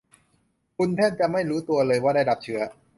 คุณแทบจะไม่รู้ตัวเลยว่าได้รับเชื้อ